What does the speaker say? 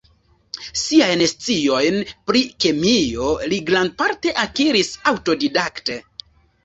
Siajn sciojn pri kemio li grandparte akiris aŭtodidakte.